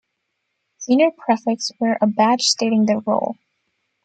Senior Prefects wear a badge stating their role.